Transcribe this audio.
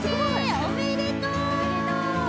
おめでとう。